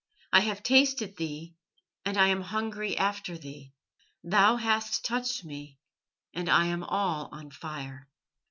I have tasted Thee, and I am hungry after Thee. Thou hast touched me, and I am all on fire."